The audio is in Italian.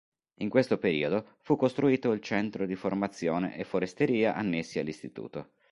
In questo periodo fu costruito il Centro di formazione e foresteria annessi all'Istituto.